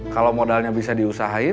kalau modalnya bisa diusahain